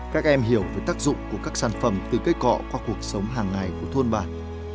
các em hiểu về tác dụng của các sản phẩm từ cây cọ qua cuộc sống hàng ngày của thôn bản